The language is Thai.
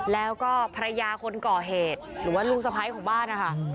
แล้วก็ภรรยาคนก่อเหตุหรือว่าลูกสะพ้ายของบ้านนะคะ